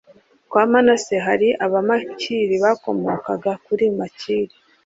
kwa manase hari abamakiri bakomokaga kuri makiri.